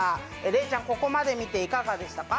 レイちゃん、ここまで見ていかがでしたか？